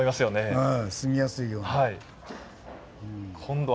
ええ住みやすいように。